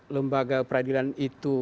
lembaga peradilan itu